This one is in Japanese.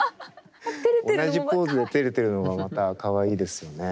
同じポーズでてれてるのがまたかわいいですよね。